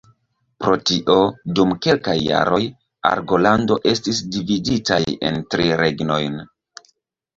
Pro tio, dum kelkaj jaroj, Argolando estis dividitaj en tri regnojn.